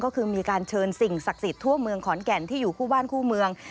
ก็คือมีการเชิญสิ่งศักดิ์สิทธิ์ทั่วเมืองขอนแก่นที่อยู่คู่บ้านคู่เมือง